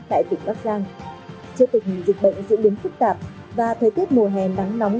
tại tỉnh bắc giang trước tình hình dịch bệnh diễn biến phức tạp và thời tiết mùa hè nắng nóng